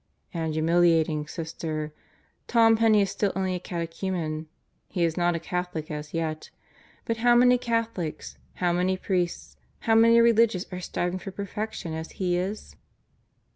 "And humiliating, Sister. Tom Penney is still only a catechu men. He is not a Catholic as yet. But how many Catholics, how many priests, how many religious are striving for perfection as he is?"